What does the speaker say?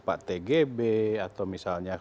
pak tgb atau misalnya